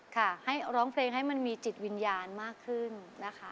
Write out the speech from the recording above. ค่ะให้ร้องเพลงให้มันมีจิตวิญญาณมากขึ้นนะคะ